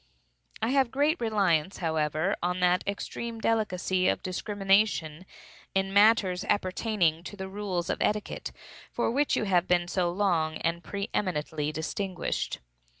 I have great reliance, however, on that extreme delicacy of discrimination, in matters appertaining to the rules of etiquette, for which you have been so long and so pre eminently distinguished.